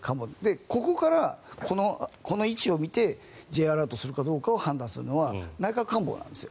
ここから、この位置を見てＪアラートするかどうかを判断するのは内閣官房なんです。